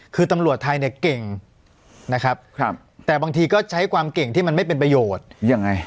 คือตำรวจไทยเนี่ยเก่งนะครับแต่บางทีก็ใช้ความเก่งที่มันไม่เป็นประโยชน์ยังไง